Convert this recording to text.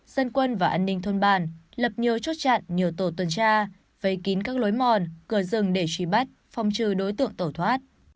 dân quân và an ninh thôn bàn lập nhiều chốt chặn nhiều tổ tuần tra vây kín các lối mòn cửa rừng để truy bắt phong trừ đối tượng tẩu thoát